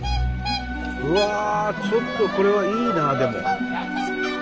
うわちょっとこれはいいなあでも。